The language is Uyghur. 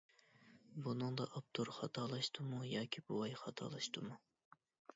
بۇنىڭدا ئاپتور خاتالاشتىمۇ ياكى بوۋاي خاتالاشتىمۇ؟